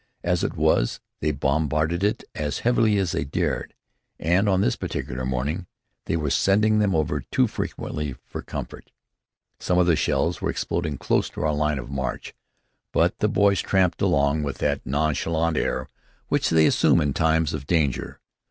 As it was, they bombarded it as heavily as they dared, and on this particular morning, they were sending them over too frequently for comfort. Some of the shells were exploding close to our line of march, but the boys tramped along with that nonchalant air which they assume in times of danger.